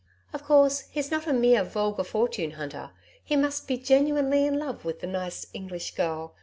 Of course he's not a mere vulgar fortune hunter. He must be genuinely in love with the nice English Girl.